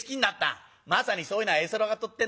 まさにそういうのは絵空事ってんだ。